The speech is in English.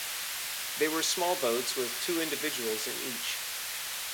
They were small boats with two individuals in each.